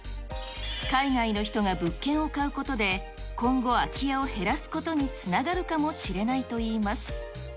海外の人が物件を買うことで、今後、空き家を減らすことにつながるかもしれないと言います。